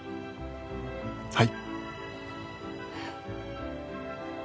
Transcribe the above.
はい。